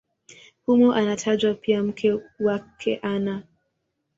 Humo anatajwa pia mke wake Ana.